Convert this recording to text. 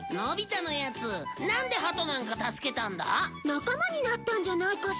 仲間になったんじゃないかしら？